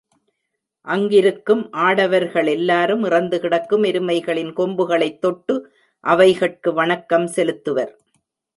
அங்கிருக்கும் ஆடவர்களெல்லாரும் இறந்துகிடக்கும் எருமைகளின் கொம்புகளைத் தொட்டு, அவைகட்கு வணக்கம் செலுத்துவர்.